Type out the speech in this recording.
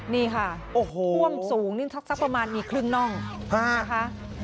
นี่ค่ะโอ้โหท่วมสูงนี่สักประมาณมีครึ่งน่องนะคะ